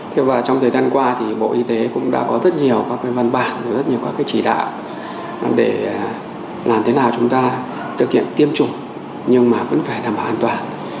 thế và trong thời gian qua thì bộ y tế cũng đã có rất nhiều các cái văn bản rồi rất nhiều các cái chỉ đạo để làm thế nào chúng ta thực hiện tiêm chủng nhưng mà vẫn phải đảm bảo an toàn